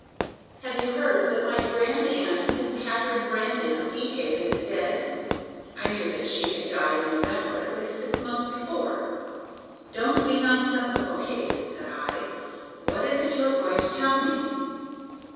"Have you heard that my grand aunt, Miss Katharine Brandon of Deephaven, is dead?" I knew that she had died in November, at least six months before. "Don't be nonsensical, Kate!" said I. "What is it you are going to tell me?"